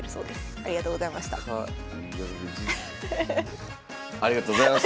ありがとうございます。